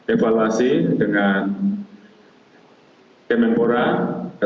evaluasi dengan kementerian pemimpinan